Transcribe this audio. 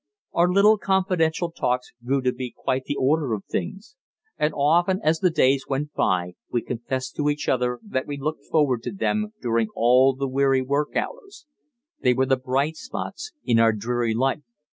Our little confidential talks grew to be quite the order of things, and often as the days went by we confessed to each other that we looked forward to them during all the weary work hours; they were the bright spots in our dreary life.